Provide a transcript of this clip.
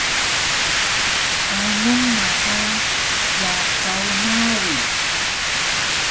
Hangan na o Yakaw Nawi